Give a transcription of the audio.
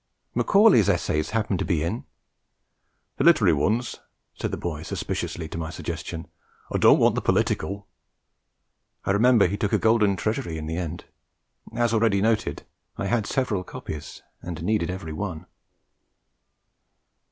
Macaulay's Essays happened to be in. 'The literary ones?' said the boy, suspiciously, to my suggestion. 'I don't want the political!' I remember he took a Golden Treasury in the end; as already noted, I had several copies, and needed every one.